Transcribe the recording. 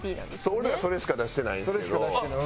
俺らそれしか出してないんですけど。